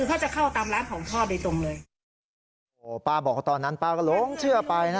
โอ้โหป้าบอกตอนนั้นป้าก็หลงเชื่อไปนะ